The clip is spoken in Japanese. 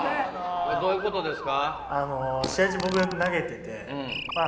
これどういうことですか？